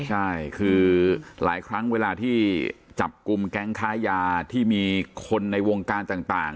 ใช่คือหลายครั้งเวลาที่จับกลุ่มแก๊งค้ายาที่มีคนในวงการต่าง